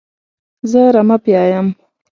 زه رمه پیايم.